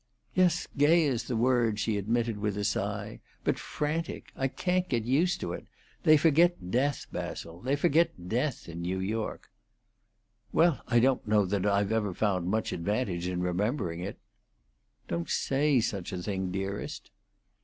"Yes, gay is the word," she admitted, with a sigh. "But frantic. I can't get used to it. They forget death, Basil; they forget death in New York." "Well, I don't know that I've ever found much advantage in remembering it." "Don't say such a thing, dearest."